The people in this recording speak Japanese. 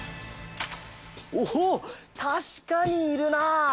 おたしかにいるな。